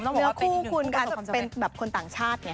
เนื้อคู่คุณคะจะเป็นแบบคนต่างชาติไง